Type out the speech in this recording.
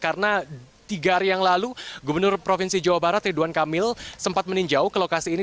karena tiga hari yang lalu gubernur provinsi jawa barat ridwan kamil sempat meninjau ke lokasi ini